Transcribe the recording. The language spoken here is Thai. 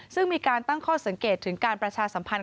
ซึ่งมีการตั้งข้อสังเกตถึงการประชาสัมพันธ